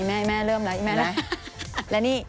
ไอ้แม่เริ่มแล้ว